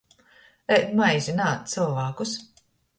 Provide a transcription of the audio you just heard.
Ēd maizi, naēd cylvākus!